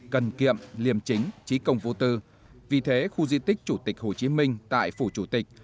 cần kiệm liêm chính trí công vô tư vì thế khu di tích chủ tịch hồ chí minh tại phủ chủ tịch